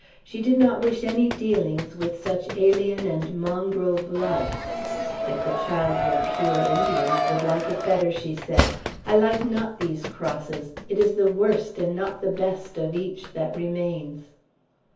She did not wish any dealings with such alien and mongrel blood, "If the child were pure Indian, I would like it better," she said. "I like not these crosses. It is the worst, and not the best of each, that remains."